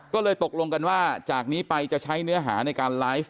ก็เลยตกลงกันว่าจากนี้ไปจะใช้เนื้อหาในการไลฟ์